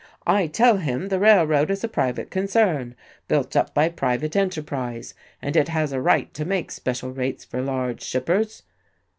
"I tell him the railroad is a private concern, built up by private enterprise, and it has a right to make special rates for large shippers.